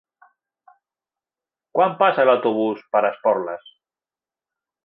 Quan passa l'autobús per Esporles?